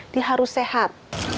dia harus sehat